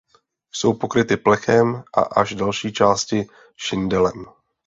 Jsou pokryty plechem a až další části šindelem.